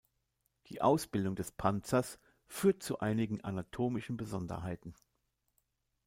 Die Ausbildung des Panzers führt zu einigen anatomischen Besonderheiten.